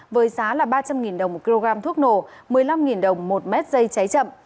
với giá là ba trăm linh đồng một kg thuốc nổ một mươi năm đồng một mét dây cháy chậm